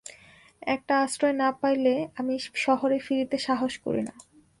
একটা আশ্রয় না পাইলে আমি শহরে ফিরিতে সাহস করি না।